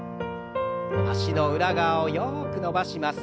脚の裏側をよく伸ばします。